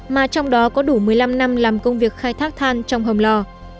mà trong đó có đủ một mươi năm năm làm công việc khai thác than trong hầm lò